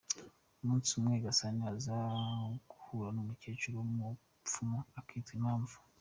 Umunsi umwe Gasani aza guhura n’umukecuru w’umupfumu akitwa Impamvu.